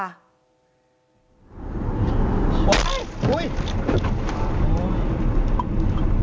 คอร์นหน้านี่